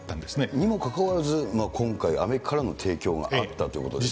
にもかかわらず、今回、アメリカからの提供があったということですね。